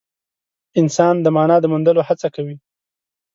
انسان د مانا د موندلو هڅه کوي.